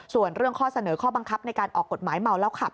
ส่วนเรื่องข้อเสนอข้อบังคับในการออกกฎหมายเมาแล้วขับ